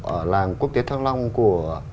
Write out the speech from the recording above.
ở làng quốc tế thang long của